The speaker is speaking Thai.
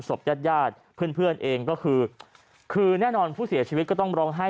ศพญาติญาติเพื่อนเพื่อนเองก็คือคือแน่นอนผู้เสียชีวิตก็ต้องร้องไห้